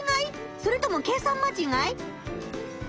それとも計算間違い？